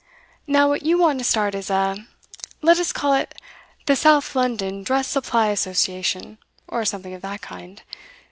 Now what you want to start is a let us call it the South London Dress Supply Association, or something of that kind.